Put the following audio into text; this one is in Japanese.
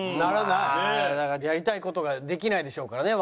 だからやりたい事ができないでしょうからね